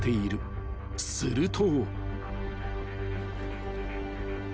［すると］